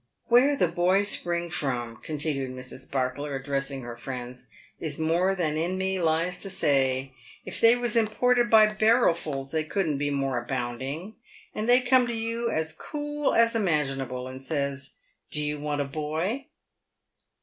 " "Where the boys spring from," continued Mrs. Sparkler, address ing her friends, " is more than in me lies to say. If they was im ported by barrelfuls they couldn't be more abounding. And they come to you as cool as imaginable, and says, ' Do you want a boy